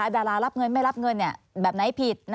ดารารับเงินไม่รับเงินแบบไหนผิด